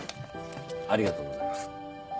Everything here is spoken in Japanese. ありがとうございます。